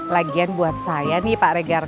lagian buat saya nih pak regar